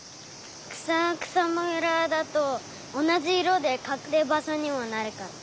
くさむらだとおなじいろでかくればしょにもなるから。